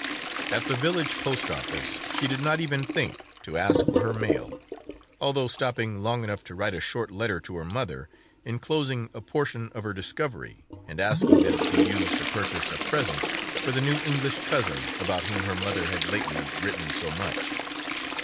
At the village post office she did not even think to ask for her mail, although stopping long enough to write a short letter to her mother, enclosing a portion of her discovery and asking that it be used to purchase a present for the new English cousin about whom her mother had lately written so much.